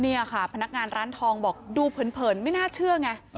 นี่ค่ะพนักงานร้านทองบอกดูเผินไม่น่าเชื่อไง